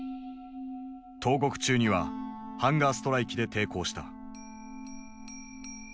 投獄中にはハンガーストライキで抵抗した。